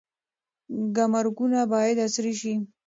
ګمرکونه باید عصري شي.